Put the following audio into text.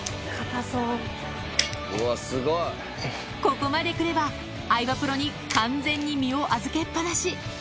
ここまでくれば、相葉プロに完全に身を預けっぱなし。